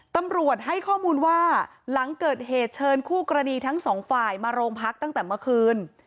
ตำรวจให้ข้อมูลว่าหลังเกิดเหตุเชิญคู่กรณีทั้งสองฝ่ายมาโรงพักตั้งแต่เมื่อคืน